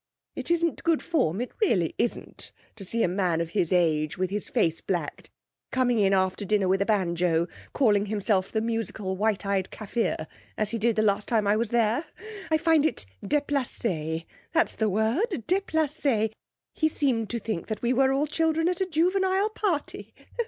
It isn't good form, it really isn't, to see a man of his age, with his face blacked, coming in after dinner with a banjo, calling himself the Musical White eyed Kaffir, as he did the last time I was there. I find it déplacé that's the word, déplacé. He seemed to think that we were all children at a juvenile party!